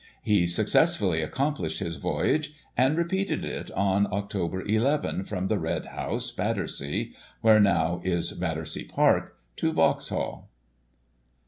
He successfully accomplished his voyage, and repeated it on Oct. 11, from the Red House, Battersea (where now is Battersea Park), to Vauxhall.